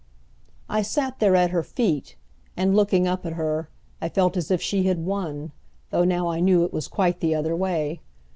I sat there at her feet, and, looking up at her, I felt as if she had won, though now I knew it was quite the other way.